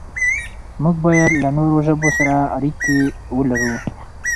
موږ بايد له نورو ژبو سره اړيکې ولرو.